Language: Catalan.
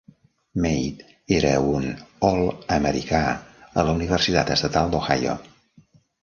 Matte era un All- Americà a la universitat estatal d'Ohio.